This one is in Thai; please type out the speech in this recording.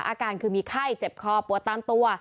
อาการคือมีไข้เจ็บคอปวดตามตัว